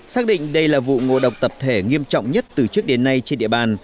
xác định đây là vụ ngộ độc tập thể nghiêm trọng nhất từ trước đến nay trên địa bàn